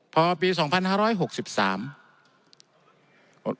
พอปี๒๕๖๓นนะครับ